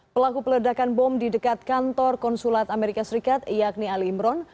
pelaku peledakan bom di dekat kantor konsulat amerika serikat yakni ali imron